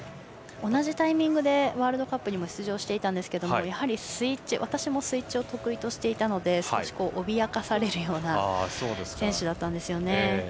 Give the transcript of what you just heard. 同じタイミングでワールドカップにも出場していたんですがやはりスイッチ、私もスイッチを得意としていたので少し脅かされるような選手だったんですよね。